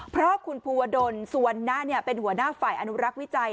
เพราะคุณภูวดลสุวรรณะเป็นหัวหน้าฝ่ายอนุรักษ์วิจัย